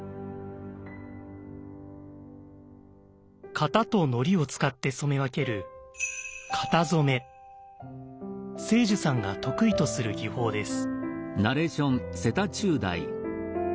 型とのりを使って染め分ける青樹さんが得意とする技法です。